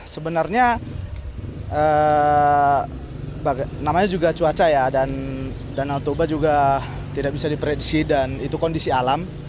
sebenarnya namanya juga cuaca ya dan danau toba juga tidak bisa diprediksi dan itu kondisi alam